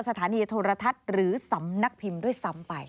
สถานีโทรทัศน์หรือสำนักพิมพ์ด้วยซ้ำไป